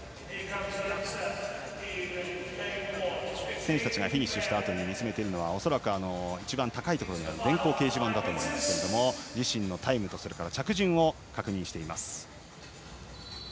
選手たちがフィニッシュしたあと見つめているのは恐らく一番高いところにある電光掲示板だと思いますが自身のタイムと着順を確認しています。